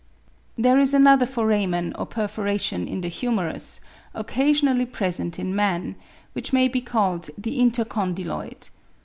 There is another foramen or perforation in the humerus, occasionally present in man, which may be called the inter condyloid.